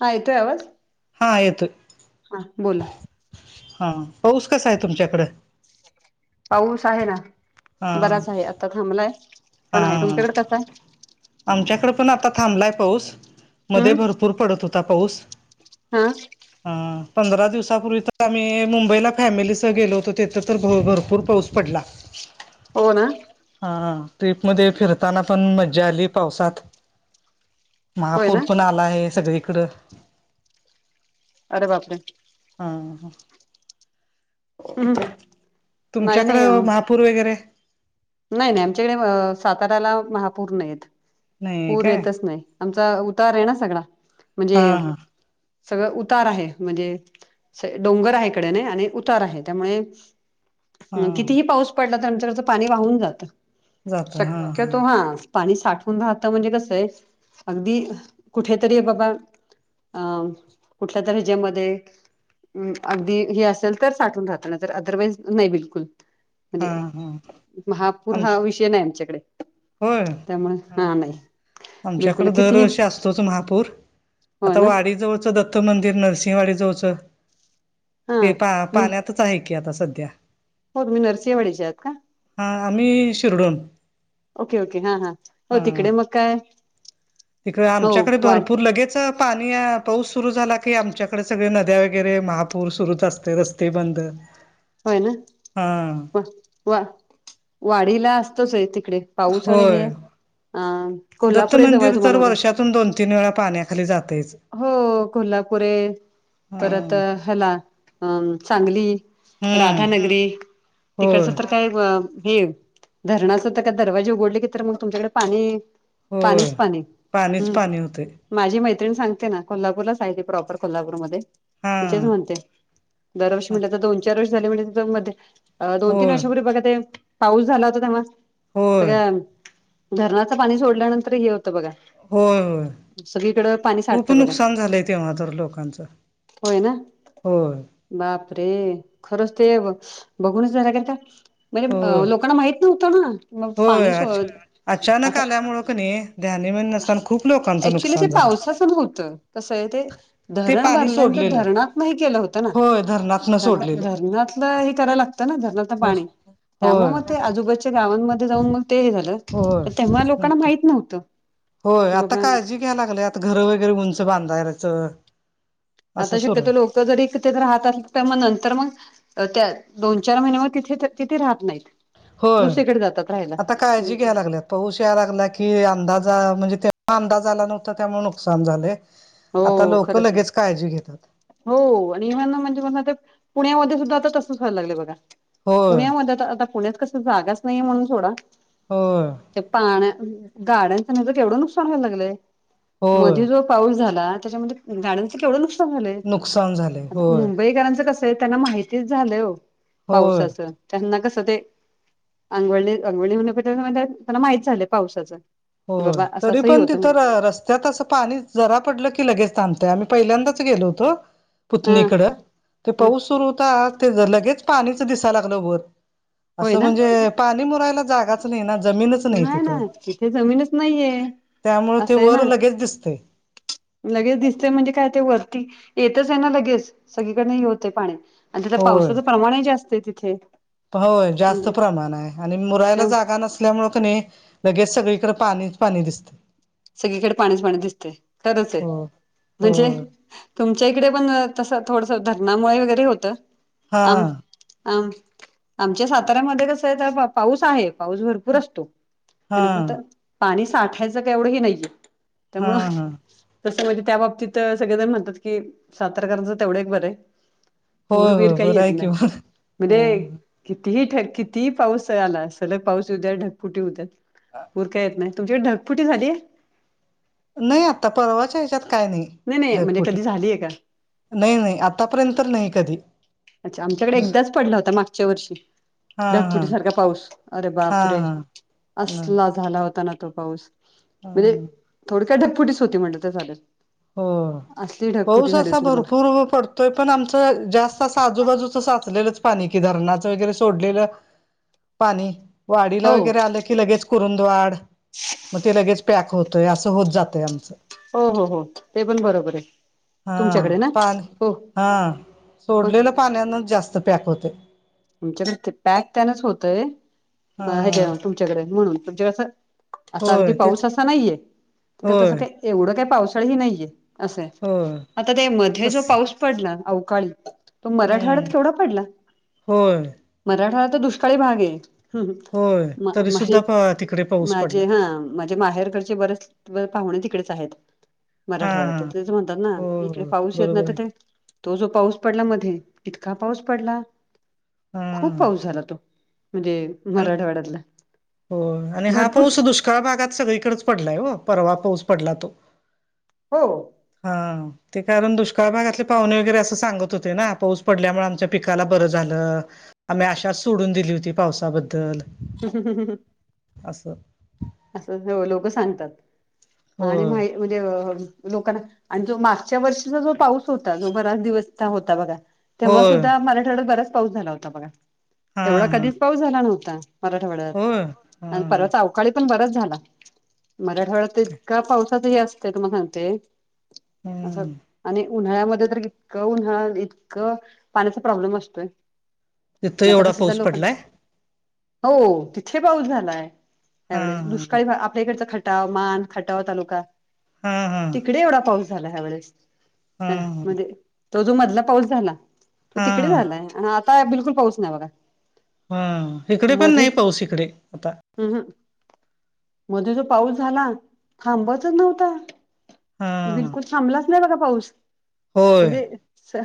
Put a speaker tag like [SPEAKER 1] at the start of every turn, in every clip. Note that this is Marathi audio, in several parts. [SPEAKER 1] हा येतोय आवाज,
[SPEAKER 2] हा येतोय
[SPEAKER 1] हा बोला
[SPEAKER 2] हा पाऊस कसा आहे तुमच्याकडं
[SPEAKER 1] पाऊस आहे ना
[SPEAKER 2] हा
[SPEAKER 1] बराच आहे आता थांबलाय पण आहे
[SPEAKER 2] हा
[SPEAKER 1] तुमच्याकडे कसा आहे?
[SPEAKER 2] आमच्याकडे पण आता थांबलाय पाऊस मध्ये
[SPEAKER 1] हम्म
[SPEAKER 2] भरपूर पडत होता पाऊस
[SPEAKER 1] हा
[SPEAKER 2] ह पंधरा दिवसापूर्वी तर आम्ही मुंबईला फॅमिलीसह गेलो होतो तेिथं तर भरपूर पाऊस पडला.
[SPEAKER 1] हो ना.
[SPEAKER 2] हा ट्रीप मध्ये फिरताना पण मज्जा आली पावसात.
[SPEAKER 1] होय
[SPEAKER 2] महापूर
[SPEAKER 1] ना
[SPEAKER 2] पण आला आहे सगळीकड.
[SPEAKER 1] अरे बापरे,
[SPEAKER 2] आ हा
[SPEAKER 1] हम्म नाही
[SPEAKER 2] तुमच्याकड
[SPEAKER 1] नाही
[SPEAKER 2] महा पूर वगैरे
[SPEAKER 1] नाही नाही आमच्याकडे साताऱ्याला महापूर नाहीेत
[SPEAKER 2] नाही
[SPEAKER 1] पूर
[SPEAKER 2] काय
[SPEAKER 1] येतच नाही आमचा उतार आहे ना सगळा
[SPEAKER 2] हा
[SPEAKER 1] म्हणजे
[SPEAKER 2] हा
[SPEAKER 1] सगळं उतार आहे म्हणजे डोंगर आहे इकडे नाही आणि उतार आहे त्यामुळे
[SPEAKER 2] हा
[SPEAKER 1] कितीही पाऊस पडला तर आमच्याकडचं पाणी वाहून जात
[SPEAKER 2] जात हा
[SPEAKER 1] शक्यतो हा पाणी साठवून राहतं म्हणजे कसय अगदी कुठेतरी बाबा अं कुठल्या तरी ज्येमध्ये अगदी हे असेल तर साठून राहतना तर अदरवाईज नाही बिलकुल
[SPEAKER 2] हा
[SPEAKER 1] म्हणजे
[SPEAKER 2] हा
[SPEAKER 1] महापूर
[SPEAKER 2] आम
[SPEAKER 1] हा विषय नाही आमच्याकडे. त्यामुळे हा नाही बिलकुल
[SPEAKER 2] आमच्याकडे
[SPEAKER 1] किती
[SPEAKER 2] दरवर्षी असतोच महापूर
[SPEAKER 1] हो
[SPEAKER 2] आता
[SPEAKER 1] ना
[SPEAKER 2] दत्त मंदिर नृसिंहवाडी जवळच
[SPEAKER 1] हा
[SPEAKER 2] ते
[SPEAKER 1] तुम्ही
[SPEAKER 2] पाण्यात आहे की आता सध्या.
[SPEAKER 1] हो तुम्ही नरसिंहवाडीच्या आहात का?
[SPEAKER 2] हां आम्ही शिरोडोन.
[SPEAKER 1] ओके ओके हा हा हो तिकडे मग काय
[SPEAKER 2] तिकडे
[SPEAKER 1] हो
[SPEAKER 2] आमच्याकडे
[SPEAKER 1] वाढ
[SPEAKER 2] भरपूर लगेच पाणी पाऊस सुरू झाला की आमच्याकडे सगळे नद्या वगैरे महापूर सुरूच असते रस्ते बंद
[SPEAKER 1] होय ना
[SPEAKER 2] हा
[SPEAKER 1] वा वाडीला असतच आहे तिकडे पाऊस आणि हे
[SPEAKER 2] होय
[SPEAKER 1] अ कोल्हापूरे जवळ आहे तुम्हाला बघा
[SPEAKER 2] त्यातून दोन तीन वेळा पाण्याखाली जातयच.
[SPEAKER 1] हो कोल्हापुरे परत
[SPEAKER 2] हम्म
[SPEAKER 1] हला अ सांगली
[SPEAKER 2] हम्म
[SPEAKER 1] राधानगरी
[SPEAKER 2] होय
[SPEAKER 1] तिकडचं तर काय हे धरणाचं तर का दरवाजे उघडले की तर मग तुमच्याकडे पाणी
[SPEAKER 2] होय
[SPEAKER 1] पाणीच पाणी
[SPEAKER 2] पाणीच
[SPEAKER 1] हम्म
[SPEAKER 2] पाणी होते
[SPEAKER 1] माझी मैत्रिण सांगते ना कोल्हापूरलाच आहे प्रॉपर कोल्हापूरमध्ये
[SPEAKER 2] हा
[SPEAKER 1] त्याच म्हणते दरवर्षी म्हण तर दोन चार वर्ष झाले म्हणज मध्ये अ दोन तीन
[SPEAKER 2] होय
[SPEAKER 1] वर्षापूर्वी बघा ते पाऊस झाला होता तेव्हा
[SPEAKER 2] होय
[SPEAKER 1] सगळ्या धरणाचं पाणी सोडल्यानंतर हे होतं बघा सगळीकड पाणी साठत.
[SPEAKER 2] खुप नुकसान झालय तेव्हा तर लोकांच
[SPEAKER 1] होय ना
[SPEAKER 2] होय
[SPEAKER 1] बापरे! खरच ते बघुनच जरा कस
[SPEAKER 2] होय
[SPEAKER 1] म्हणजे लोकांना माहित तु चल ना मग
[SPEAKER 2] होय
[SPEAKER 1] पाणी
[SPEAKER 2] अ
[SPEAKER 1] शोध
[SPEAKER 2] अचानक
[SPEAKER 1] आता
[SPEAKER 2] आल्यामुळे की नाही ध्यानी मनी नसताना खूप लोकांच नुकसान झाल
[SPEAKER 1] तसच होत ते कस आहे ते
[SPEAKER 2] ते
[SPEAKER 1] धरण
[SPEAKER 2] पाणी
[SPEAKER 1] भरल्यानंतर
[SPEAKER 2] सोडलेलं
[SPEAKER 1] धरणातनही केल होत ना
[SPEAKER 2] होय धरणातन सोडलेलं
[SPEAKER 1] धरणातल हे करायला लागत ना धरणात तर
[SPEAKER 2] हो
[SPEAKER 1] पाणी त्यामुळे
[SPEAKER 2] होय
[SPEAKER 1] मग ते आजूबाजुच्या गावांमध्ये जाऊन मग ते हे झालं
[SPEAKER 2] होय
[SPEAKER 1] तर त्यामुळे
[SPEAKER 2] मग
[SPEAKER 1] लोकांना
[SPEAKER 2] काय
[SPEAKER 1] माहित नव्हत
[SPEAKER 2] होय आता काळजी घ्या लागले आता घर वगैरे उंच बांधायच
[SPEAKER 1] आता शक्यतो लोक जरी एकत्र राहत तर मग नंतर मग त्या दोन चार महिने मग तिथे तिथे राहत नाहीत
[SPEAKER 2] होय
[SPEAKER 1] दुसरीकडे जातात
[SPEAKER 2] आता का काळजी
[SPEAKER 1] राहायला
[SPEAKER 2] घ्याय लागल्यात पाऊस या लागला की अंदाज म्हणजे ते अंदाज आला नव्हता त्यामुळे नुकसान झाले आता
[SPEAKER 1] हो
[SPEAKER 2] लोक
[SPEAKER 1] खरंच आहे
[SPEAKER 2] लगेच काळजी घेतील
[SPEAKER 1] हो आणि एव्हन म्हणजे म्हण ते पुण्यामध्ये सुद्धा आता तसच व्हायला लागले बघा
[SPEAKER 2] होय
[SPEAKER 1] पुण्यामध्ये आता पुण्यात कस जागाच नाहीे म्हणून सोडा
[SPEAKER 2] होय
[SPEAKER 1] ते पाण्या गाड्यांच माझ केवढ नुकसान व्हायला लागलय
[SPEAKER 2] होय.
[SPEAKER 1] मध्ये जो पाऊस झाला त्याच्यामध्ये गाड्यांच केवढ नुकसान झालय
[SPEAKER 2] नुकसान झाले. होय,
[SPEAKER 1] हम बैलगाड्या च कस ते त्यांना माहितीच झाल हो
[SPEAKER 2] होय,
[SPEAKER 1] पावसाच त्यांना कस ते अंघोळ अंघोळली म्ह त्यांना माहित झाल पावसाच
[SPEAKER 2] हो तरी पण तिथ रस्त त्यात अस पाणी जरा पडल की लगेच थांबतय आम्ही पहिल्यांदाच गेलो होतो
[SPEAKER 1] हा
[SPEAKER 2] पुतनीकड ते
[SPEAKER 1] हा
[SPEAKER 2] पाऊस सुरू होता ते लगेच पाणीच दिसाय लागल वर अस
[SPEAKER 1] होय ना
[SPEAKER 2] म्हणजे पाणी मुरायला जागाच नाही ना जमीनच
[SPEAKER 1] नाही ना तिथे जमीनच नाहीये
[SPEAKER 2] त्यामुळे ते
[SPEAKER 1] असं आहे
[SPEAKER 2] वर
[SPEAKER 1] ना
[SPEAKER 2] लगेच दिसते
[SPEAKER 1] लगेच दिसते म्हणजे काय ते वरती येतच आहे ना लगेच सगळीकडन हे होते पाणी आणि त्याच्यात
[SPEAKER 2] होय,
[SPEAKER 1] पावसाच प्रमाणही जास्त आहे तिथे
[SPEAKER 2] होय जास्त
[SPEAKER 1] म्हणजे
[SPEAKER 2] प्रमाण आहे आणि मुरायला
[SPEAKER 1] त्या
[SPEAKER 2] जागा नस ल्यामुळे नाही लगेच सगळीकडे पाणीच पाणी दिसत
[SPEAKER 1] सगळीकडे पाणीच पाणी दिसते तरच आहे
[SPEAKER 2] हो,
[SPEAKER 1] म्हणजे
[SPEAKER 2] होय.
[SPEAKER 1] तुमच्या इकडे पण तस थोडस धरणामुळे वगैरे होत
[SPEAKER 2] हा,
[SPEAKER 1] आम आ आमच्या साताऱ्यामध्ये कस आहे थोडा फार पाऊस आहे. पाऊस भरपूर असतो काही नाही
[SPEAKER 2] हा.
[SPEAKER 1] पुरत पाणी साठायच काय एवढ ही नाहीये
[SPEAKER 2] हा
[SPEAKER 1] त्यामुळ
[SPEAKER 2] हा
[SPEAKER 1] तस म्हणजे त्या बाबतीत सगळेजण म्हणतात की सातरकराच तेवढ एक बर आहे पूर
[SPEAKER 2] होय
[SPEAKER 1] बीर
[SPEAKER 2] होय
[SPEAKER 1] काही
[SPEAKER 2] बरं
[SPEAKER 1] येत
[SPEAKER 2] आहे कि
[SPEAKER 1] नाही
[SPEAKER 2] मग हा
[SPEAKER 1] मध्ये कितीही ढग किती पाऊस आला सलग पाऊस येऊद्या ढगपुटी होउद्या पूर का येत नाही तुमच्याकडे ढगफुटी झालीये
[SPEAKER 2] नाही आता परवाच्या ह्याच्यात काय नाही
[SPEAKER 1] नाही म्हणजे
[SPEAKER 2] ढगफुटी
[SPEAKER 1] कधी झालीय का
[SPEAKER 2] नाही नाही आतापर्यंत तर नाही कधी
[SPEAKER 1] अच्छा आमच्याकडे
[SPEAKER 2] दुस
[SPEAKER 1] एकदाच पडला होता मागच्या वर्षी
[SPEAKER 2] हा हा
[SPEAKER 1] ढगफुटी सारखा पाऊस अरे
[SPEAKER 2] हा
[SPEAKER 1] बाप रे
[SPEAKER 2] हा नाही
[SPEAKER 1] असला झाला होता ना तो पाऊस
[SPEAKER 2] हा
[SPEAKER 1] म्हणजे थोडक्यात ढगफुटी च होती म्हटल तर चालेल
[SPEAKER 2] हो
[SPEAKER 1] असली ढगफुटी
[SPEAKER 2] पाऊस
[SPEAKER 1] झाली
[SPEAKER 2] असा
[SPEAKER 1] होती
[SPEAKER 2] भरपूर
[SPEAKER 1] तुम्हाला
[SPEAKER 2] पडतो तो पण आमचं जास्त अस आजूबाजूच साचलेलंच पाणी, धरणाच वगैरे सोडलेल पाणी वाडीला
[SPEAKER 1] हो
[SPEAKER 2] वगैरे आ- की लगेच कुरूदवाड मग ते लगेच पॅक होतय असं होत जातय आमच-
[SPEAKER 1] हो हो हो ते पण बरोबर आहे.
[SPEAKER 2] हा
[SPEAKER 1] तुमच्याकडे ना
[SPEAKER 2] पान
[SPEAKER 1] हो
[SPEAKER 2] हा
[SPEAKER 1] पण
[SPEAKER 2] सोडलेल्या पाण्यानच जास्त पॅक होते.
[SPEAKER 1] तुमच्याकडे ते पॅक त्यानच होतय
[SPEAKER 2] हा
[SPEAKER 1] हच्या तुमच्याकडे म्हणून तुमच्या कसं- आता अगदी
[SPEAKER 2] होय तेच
[SPEAKER 1] पाऊस असा नाहीये, तर
[SPEAKER 2] होय
[SPEAKER 1] तसं काही एवढं काही पावसाळही नाहीये. असं आहे.
[SPEAKER 2] होय
[SPEAKER 1] आता ते मध्ये
[SPEAKER 2] तस
[SPEAKER 1] जो पाऊस पडला अवकाळी- तो मराठवाड्यात केवढा पडला.
[SPEAKER 2] हो....
[SPEAKER 1] मराठवाडा तर दुष्काळी भाग आहे
[SPEAKER 2] होय तरी सुद्धा प तिकडे पाऊस पडला
[SPEAKER 1] माझे हा- माझ्या माहेरकडचे बरेच पाहुणे तिकडेच आहेत.
[SPEAKER 2] हा हा
[SPEAKER 1] मराठवाड्यात तेच म्हणतात ना,
[SPEAKER 2] हो
[SPEAKER 1] इकडे पाऊस येत ना
[SPEAKER 2] बरोबर
[SPEAKER 1] तर
[SPEAKER 2] आहे
[SPEAKER 1] ते- तो जो पाऊस पडला मध्ये ईतका पाऊस पडला.
[SPEAKER 2] हा
[SPEAKER 1] खूप पाऊस झाला तो म्हणजे,
[SPEAKER 2] आणि
[SPEAKER 1] मराठवाड्यातला
[SPEAKER 2] हो आणि हा
[SPEAKER 1] भरपूर
[SPEAKER 2] पाऊस दुष्काळ- दुष्काळ भागात सगळीकडेच पडलाय ओ परवा पाऊस पडला तो-
[SPEAKER 1] हो
[SPEAKER 2] हा ते कारण दुष्काळ भागातले पाहुणे वगैरे असं सांगत होते ना पाऊस पडल्यामुळे आमच्या- पिकाला बरं झालं. आम्ही अशाच सोडून दिली होती पावसाबद्दल-
[SPEAKER 1] हम्म हे ह ह
[SPEAKER 2] अससं
[SPEAKER 1] असं लोक सांगतात आणि मा
[SPEAKER 2] होय
[SPEAKER 1] म्हणजे लोकांना- आणि जो मागच्या वर्षीचा जो पाऊस होता जो बराच दिवस होता बघा. तेव्हा
[SPEAKER 2] होय
[SPEAKER 1] सुद्धा मराठवाड्यात बराच पाऊस झाला होता बघा,
[SPEAKER 2] हा
[SPEAKER 1] एवढा
[SPEAKER 2] हा
[SPEAKER 1] कधीच पाऊस झाला नव्हता. मराठवाड्यात
[SPEAKER 2] होय हा
[SPEAKER 1] आणि परवा- पण बराच झाला. मराठवाड्यात इतका पावसाचाही असते तुमला सांगते. असं
[SPEAKER 2] हम्म
[SPEAKER 1] आणि- उन्हाळ्यामध्ये तर इतकं उन्हाळा इतकं पाण्याचा प्रॉब्लेम असतोय.
[SPEAKER 2] तिथं
[SPEAKER 1] आता
[SPEAKER 2] एवढा
[SPEAKER 1] कसं
[SPEAKER 2] पाऊस
[SPEAKER 1] झालं पण
[SPEAKER 2] पडलाय -
[SPEAKER 1] हो तिथे पाऊस झाला नाही.
[SPEAKER 2] हा
[SPEAKER 1] त्यावेळेस
[SPEAKER 2] हा
[SPEAKER 1] दुष्काळी आपल्याकडचा खटाव मान खटाव तालुका
[SPEAKER 2] हा हा
[SPEAKER 1] तिकडे एवढा पाऊस- ह्यावेळेस,
[SPEAKER 2] हा
[SPEAKER 1] म्हणजे तो जो मधला पाऊस झाला. तो
[SPEAKER 2] हा
[SPEAKER 1] तिकडे
[SPEAKER 2] हा
[SPEAKER 1] झालाय आणि आता बिलकुल पाऊस नाही बघा.
[SPEAKER 2] हा इकडे पण नाही पाऊस इकडे आता.
[SPEAKER 1] हम् हं मध्ये जो पाऊस झाला थांबचच नव्हता.
[SPEAKER 2] हा
[SPEAKER 1] बिल्कुल थांबलाच नाही बघा पाऊस
[SPEAKER 2] होय
[SPEAKER 1] म्हणजे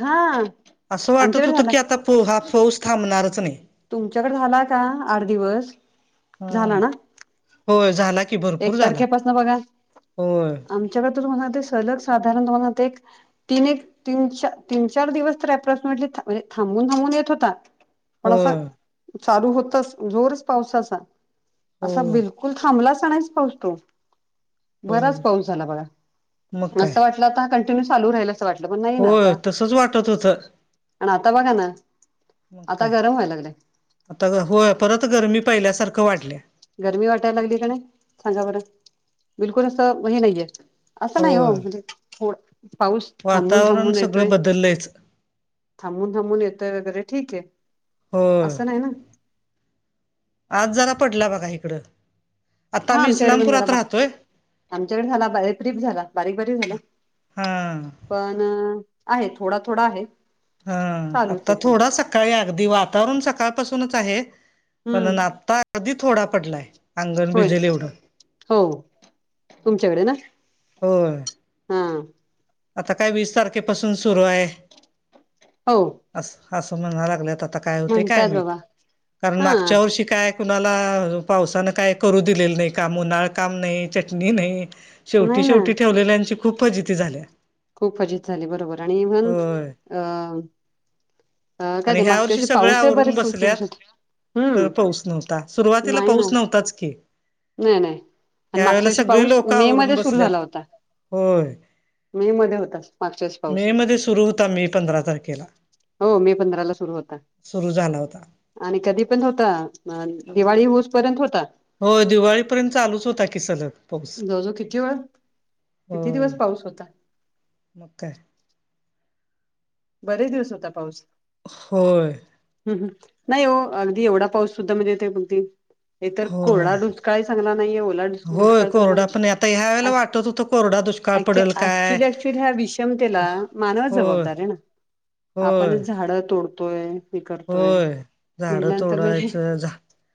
[SPEAKER 1] हा.
[SPEAKER 2] असं वाटत
[SPEAKER 1] आमच्याकडे
[SPEAKER 2] होतं
[SPEAKER 1] झाला
[SPEAKER 2] की आता हा पाऊस थांबणारच नाही.
[SPEAKER 1] तुमच्याकडे झाला का आठ दिवस
[SPEAKER 2] हा
[SPEAKER 1] झाला ना?
[SPEAKER 2] होय झाला की
[SPEAKER 1] एक
[SPEAKER 2] भरपूर झाला
[SPEAKER 1] तारखेपासून बघा.
[SPEAKER 2] होय
[SPEAKER 1] आमच्याकडे तर म्हणालते सलग साधारण तुम्हाला ते- तीन, तीन, तीन चार दिवस तर अप्रॉक्सिमेटली थांबून थांबून येत होता. पण असा
[SPEAKER 2] होय
[SPEAKER 1] चालू होतच जोरच पावसाचा असा
[SPEAKER 2] होय
[SPEAKER 1] बिलु- ल थांबला सणच पाऊस तो बराच
[SPEAKER 2] होय
[SPEAKER 1] पाऊस झाला बघ
[SPEAKER 2] मग काय
[SPEAKER 1] अस वाट- आ कंटिन्यू चालू राहिल असं वाटलं, पण नाही ना
[SPEAKER 2] होय
[SPEAKER 1] आता
[SPEAKER 2] तसच वाटत होत
[SPEAKER 1] आता बघा ना.
[SPEAKER 2] मग
[SPEAKER 1] आता
[SPEAKER 2] काय,
[SPEAKER 1] गरम व्हायला लागलंय
[SPEAKER 2] आता होय परत गरमी पहिल्यासारखं वाढली.
[SPEAKER 1] गरमी वाटायला लागली का नाही, सांगा बरं बिलकुल असं हे नाहीये. असं नाही हो
[SPEAKER 2] होय
[SPEAKER 1] म्हणजे थोड पाऊस थांबून
[SPEAKER 2] वातावरण
[SPEAKER 1] थांबून
[SPEAKER 2] सगळं
[SPEAKER 1] येतोय.
[SPEAKER 2] बदललंयच
[SPEAKER 1] थांबून थांबून येतोय वगैरे ठीक आहे
[SPEAKER 2] होय
[SPEAKER 1] असं नाही ना
[SPEAKER 2] आज जरा पडला बघा इकडं आता
[SPEAKER 1] हा
[SPEAKER 2] आम्ही
[SPEAKER 1] आमच्याकडे पण झाला
[SPEAKER 2] इस्लामपुरात
[SPEAKER 1] बा
[SPEAKER 2] राहतोय.
[SPEAKER 1] आमच्याकडे झाला [inaudible] झाला बारीक बारीक झाला.
[SPEAKER 2] हा
[SPEAKER 1] पण आहे थोडा थोडा आहे.
[SPEAKER 2] हा
[SPEAKER 1] चालूच
[SPEAKER 2] आता
[SPEAKER 1] आहे पण
[SPEAKER 2] थोडा सकाळी अगदी वातावरण सकाळपासूनच आहे.
[SPEAKER 1] हम्म
[SPEAKER 2] पण आता अगदी थोडा पडलाय अंगण
[SPEAKER 1] होय
[SPEAKER 2] भिजल एवढं.
[SPEAKER 1] हो तुमच्याकडे ना.
[SPEAKER 2] होय.
[SPEAKER 1] हा
[SPEAKER 2] आता काय वीस तारखेपासून सुरू आहे.
[SPEAKER 1] हो
[SPEAKER 2] अस असं म्हणा लागलेत आता काय होते काय
[SPEAKER 1] म्हणतात
[SPEAKER 2] माहित
[SPEAKER 1] बाबा
[SPEAKER 2] कारण
[SPEAKER 1] हा
[SPEAKER 2] मागच्या वर्षी काय कुणाला पावसानं काय करू दिलेलं नाही काम, उन्हाळ काम नाही, चटणी नाही. शेवटी
[SPEAKER 1] नाही ना
[SPEAKER 2] शेवटी ठेवलेल्यांची खूप फजिती झाल्या.
[SPEAKER 1] खूप फजिती झाली बरोबर आणि इव्हन
[SPEAKER 2] होय
[SPEAKER 1] अ अ काय
[SPEAKER 2] आणि
[SPEAKER 1] ते
[SPEAKER 2] ह्या
[SPEAKER 1] मागच्या वर्षी
[SPEAKER 2] सगळ्या
[SPEAKER 1] पाऊस हे
[SPEAKER 2] आवरून
[SPEAKER 1] बरेच दिवस
[SPEAKER 2] बसल्यात
[SPEAKER 1] खूप दिवस
[SPEAKER 2] तर पाऊस नव्हता, सुरुवातीला
[SPEAKER 1] ना
[SPEAKER 2] पाऊस नव्हताच की
[SPEAKER 1] नाही नाही आणि
[SPEAKER 2] ह्या
[SPEAKER 1] मागच्या
[SPEAKER 2] वेळेला
[SPEAKER 1] वर्षी
[SPEAKER 2] सगळी
[SPEAKER 1] पाऊस
[SPEAKER 2] लोक
[SPEAKER 1] मे
[SPEAKER 2] आवरून
[SPEAKER 1] मध्ये सुरू
[SPEAKER 2] बसल्यात.
[SPEAKER 1] झाला होता
[SPEAKER 2] होय,
[SPEAKER 1] मे मध्ये होता मागच्या वर्षी पाऊस
[SPEAKER 2] मे मध्ये सुरू होता मे पंधरा तारखेला.
[SPEAKER 1] हो मे पंधराला सुरू होता.
[SPEAKER 2] सुरू झाला होता.
[SPEAKER 1] आणि कधी पण होता दिवाळी होऊस पर्यंत होता.
[SPEAKER 2] हो दिवाळीपर्यंत चालूच होता की सलग पाऊस.
[SPEAKER 1] जवळ जवळ किती वेळ किती दिवस पाऊस होता.
[SPEAKER 2] मगं काय
[SPEAKER 1] बरेच दिवस होता पाऊस
[SPEAKER 2] होय
[SPEAKER 1] हम हम नाही हो अगदी एवढा पाऊस सुद्धा म्हणजे [inaudible] हे तर
[SPEAKER 2] होय
[SPEAKER 1] कोरडा दुष्काळ चांगला नाहीये, ओला
[SPEAKER 2] होय
[SPEAKER 1] दुष्काळ चांगला
[SPEAKER 2] कोरडा
[SPEAKER 1] नाही
[SPEAKER 2] पण आता ह्या वेळेला वाटत होतं कोरडा दुष्काळ
[SPEAKER 1] अ
[SPEAKER 2] पडेल काय
[SPEAKER 1] क्च्युली क्च्युली ह्या विषमतेला मानवच
[SPEAKER 2] होय
[SPEAKER 1] जबाबदार आहे ना
[SPEAKER 2] होय
[SPEAKER 1] आपणच झाडं तोडतोय हे करतोय
[SPEAKER 2] होय झाडं
[SPEAKER 1] म्हटल्यानंतर म्हणजे
[SPEAKER 2] तोडायचं झा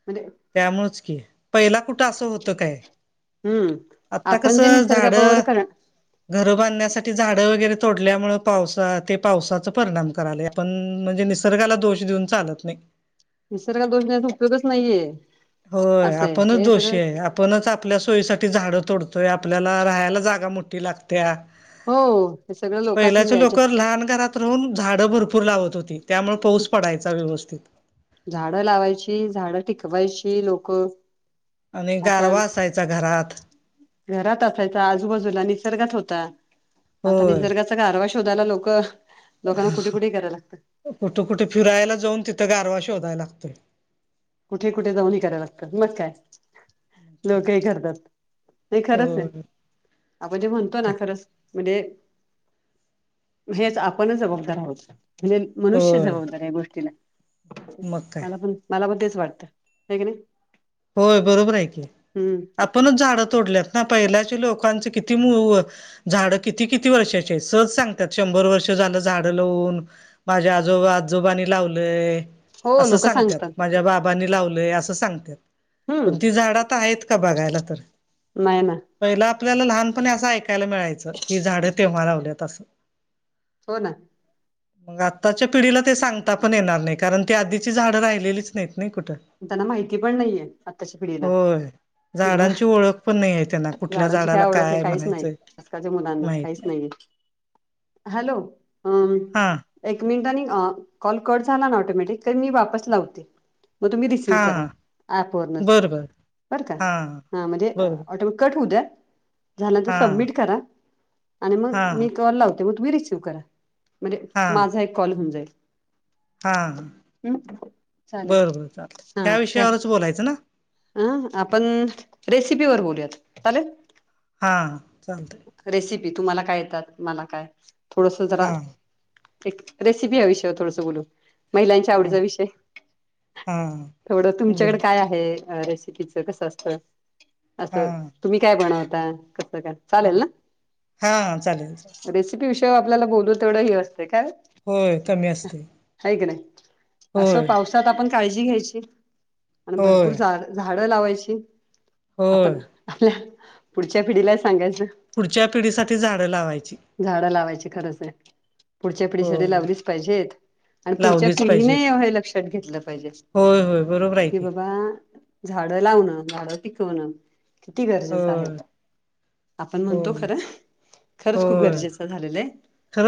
[SPEAKER 1] म्हजे
[SPEAKER 2] त्यामुळेच कि, पहिला कुठं असं होतं काय?
[SPEAKER 1] हम्म
[SPEAKER 2] आता
[SPEAKER 1] आपण जे
[SPEAKER 2] कसं झाड
[SPEAKER 1] निसर्गाबरोबर कर
[SPEAKER 2] घर बांधण्यासाठी झाडं वगैरे तोडल्यामुळे पावसा ते पावसाच परिणाम कराले आपण म्हणजे निसर्गाला दोष देऊन चालत नाही.
[SPEAKER 1] निसर्गला दोष देण्याचा उपयोगच नाहीये.
[SPEAKER 2] होय
[SPEAKER 1] असं आहे
[SPEAKER 2] आपणच
[SPEAKER 1] हे
[SPEAKER 2] दोषी
[SPEAKER 1] सगळं
[SPEAKER 2] आहे. आपणच आपल्या सोयीसाठी झाडं तोडतोय आपल्याला राहायला जागा मोठी लागते त्या
[SPEAKER 1] हो हे सगळं लोकांच
[SPEAKER 2] पहिल्याच
[SPEAKER 1] यायचे
[SPEAKER 2] लोक लहान घरात त राहून झाडं भरपूर लावत होती त्यामुळे पाऊस पडायचा व्यवस्थित.
[SPEAKER 1] झाडं लावायची झाडं टिकवायची लोकं.
[SPEAKER 2] आणि गारवा असायचा घरात.
[SPEAKER 1] घरात असायचा आजूबाजूला निसर्गात होता आता
[SPEAKER 2] होय
[SPEAKER 1] निसर्गात. आरवा शोायला लोकं लोकांना कुठे कुठे कराय लागतं.
[SPEAKER 2] कुठे कुठे फिरायला जाऊन तिथं गारवा शोधाला लागतोय.
[SPEAKER 1] कुठे कुठे जाऊन ह कराय लागतात मग काय लोकही करतात. नाही खरंच आहे
[SPEAKER 2] होय
[SPEAKER 1] आपण जे
[SPEAKER 2] मग
[SPEAKER 1] म्हणतो ना
[SPEAKER 2] काय
[SPEAKER 1] खरंच. म्हणजे हेच आपणच जबाबदार आहोत म्हणजे मनुष्य
[SPEAKER 2] होय
[SPEAKER 1] जबाबदार या गोष्टीला
[SPEAKER 2] मग काय
[SPEAKER 1] मला पण मला पण तेच वाटत क नाही.
[SPEAKER 2] होय बरोबर आहेऐक
[SPEAKER 1] हम्म
[SPEAKER 2] आपणच झाडं तोडल्यात ना पहिल्याच्या लोकांच किती. किती झाडं किती किती वर्षाचे सहज सांगतात शंभर वर्ष झालं झाडं लावून. माझ्या आजोब आजोबानी लावलं
[SPEAKER 1] हो
[SPEAKER 2] असं
[SPEAKER 1] लोक
[SPEAKER 2] सांगतात माझ्या बाबा. नी लाव अस सांगत
[SPEAKER 1] हम्म
[SPEAKER 2] पण ती झाड आहेत का बघायला तर.
[SPEAKER 1] नाही ना
[SPEAKER 2] पहिला आपल्याला लहानपणी असं ऐकायला मिळायचं की झाडं तेव्हा लावल्यात असं.
[SPEAKER 1] हो ना.
[SPEAKER 2] मग आत्ताच्या पिढीला ते सांगता पण येणार नाही कारण ती आधीची झाडं राहिलेलीच नाहीत नाही कुठं.
[SPEAKER 1] त्यांना माहिती पण नाहीये आत्ताच्या पिढीला.
[SPEAKER 2] होय
[SPEAKER 1] कि बाबा
[SPEAKER 2] झाडांची ओळख पण नाही आहे त्यांना कुठल्या
[SPEAKER 1] झाडांची
[SPEAKER 2] झाडाला
[SPEAKER 1] काय ओळख आहे काहीच नाही
[SPEAKER 2] म्हणायचंय
[SPEAKER 1] आजकालच्या मुलांना
[SPEAKER 2] माहित
[SPEAKER 1] काहीच
[SPEAKER 2] नाही
[SPEAKER 1] नाहीये. हॅलो अम
[SPEAKER 2] हा
[SPEAKER 1] एक मिनिटा आणि कॉल कट झाला ना ऑटोमॅटिक तर मी वापस लावते. मग तुम्ही रिसीव्ह
[SPEAKER 2] हां,
[SPEAKER 1] करा
[SPEAKER 2] हां.
[SPEAKER 1] ऍप ववरूनच.
[SPEAKER 2] बरं, बरं.
[SPEAKER 1] बरं का
[SPEAKER 2] हां,
[SPEAKER 1] हा म्हणजे
[SPEAKER 2] बरोबर.
[SPEAKER 1] ऑटोमेट कट होऊ द्या. झाल्यांत
[SPEAKER 2] हां,
[SPEAKER 1] सबमिट करा आणि मग मी
[SPEAKER 2] हां,
[SPEAKER 1] कॉल लावते मग तुम्ही रिसीव्ह करा. म्हणजे
[SPEAKER 2] हां,
[SPEAKER 1] माझा एक कॉल होऊन जाईल ह चालेल.
[SPEAKER 2] बोलतात.
[SPEAKER 1] ह अ आपण रेसिपीवरर बोलूयात चालेल.
[SPEAKER 2] हां चालत.
[SPEAKER 1] रेसिपी तुम्हाला काय येतात मला काय थोडस जरा.
[SPEAKER 2] हां,
[SPEAKER 1] एक रेसिपी हा विषय थोडस बोलू महिलांच्या
[SPEAKER 2] हां,
[SPEAKER 1] आवडीचा विषय.
[SPEAKER 2] हां.
[SPEAKER 1] थवडं तुमच्याकडे
[SPEAKER 2] बरं.
[SPEAKER 1] काय आहे रेसिपीच कसं असत असं.
[SPEAKER 2] हां,
[SPEAKER 1] तुम्ही काय बनवता कसं का.
[SPEAKER 2] ह हा चालेलचाल.
[SPEAKER 1] रेसिपी विषय आपल्याला बोलू तेवढं हे असते काय.
[SPEAKER 2] होय कमी असते.
[SPEAKER 1] ह क नाही असं
[SPEAKER 2] होय,
[SPEAKER 1] पावसात आपण काळजी घ्यायची आणि
[SPEAKER 2] होय,
[SPEAKER 1] भरपूर जा झाडं लावायची
[SPEAKER 2] होय.
[SPEAKER 1] आपण आपल्या पुढच्या पिढीला सांगायचं.
[SPEAKER 2] पुढच्या पिढीसाठी झाडं लावायची.
[SPEAKER 1] झाडं लावायची खरंच आहे. पुढच्या पिढीसाठी
[SPEAKER 2] होय,
[SPEAKER 1] लावलीच पाहिजेत आणि पुढच्या
[SPEAKER 2] लावलीच पाहिजेत.
[SPEAKER 1] पिढीनेव हे लक्षात घेतलं पाहिजे.
[SPEAKER 2] होय होय बरोबर. आहे
[SPEAKER 1] कि
[SPEAKER 2] की.
[SPEAKER 1] बाबा झाडं लावणं झाडं पिकवणं. किती गरजेचं आहे
[SPEAKER 2] होय,
[SPEAKER 1] आपण म्हणतो
[SPEAKER 2] होय,
[SPEAKER 1] खरं खरंच खूप
[SPEAKER 2] होय.
[SPEAKER 1] गरजेचं. [inaudible]
[SPEAKER 2] खरं